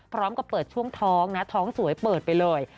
พร้อมกับเปิดช่วงท้องนะท้องสวยเปิดไปเลย